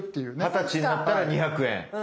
二十歳になったら２００円。